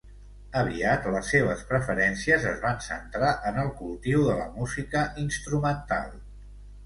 Aviat les seves preferències es van centrar en el cultiu de la música instrumental.